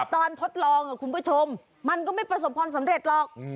ทดลองคุณผู้ชมมันก็ไม่ประสบความสำเร็จหรอก